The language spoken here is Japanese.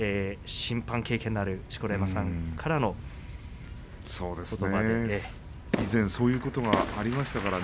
審判経験のある錣山さんからの以前、そういうことがありましたからね。